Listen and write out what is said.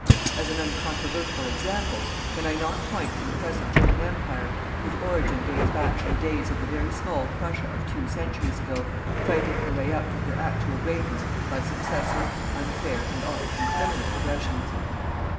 As an uncontrovertible example, can I not point to the present German Empire, whose origin dates back to the days of the very small Prussia of two centuries ago, fighting her way up to her actual greatness by successive, unfair, and often criminal aggressions.